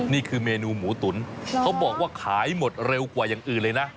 นี่คือเมนูหมูตุ๋นเขาบอกว่าขายหมดเร็วกว่าอย่างอื่นเลยนะ